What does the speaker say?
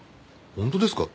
本当ですか？